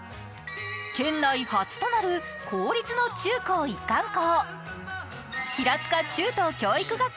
県内初となる公立の中高一貫校。